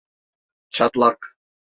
Çatlak.